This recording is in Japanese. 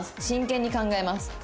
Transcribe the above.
真剣に考えます。